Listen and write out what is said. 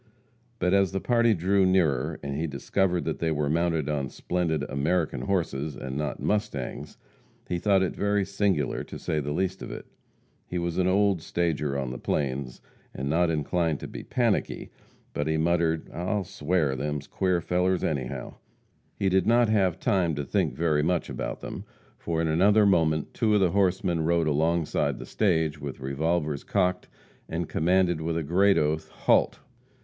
But as the party drew nearer, and he discovered that they were mounted on splendid "American horses," and not "mustangs," he thought it very singular, to say the least of it. He was an old stager on the plains, and not inclined to be "panicky," but he muttered, "I'll sware, them's queer fellers, anyhow." He did not have time to think very much about them, for in another moment two of the horsemen rode alongside the stage, with revolvers cocked, and commanded, with a great oath, "Halt!"